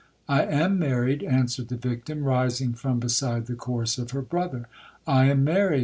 '—'I am married!' answered the victim, rising from beside the corse of her brother. 'I am married!'